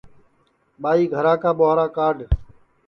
ٻائی گھرا کا ٻُوہارا کاڈؔ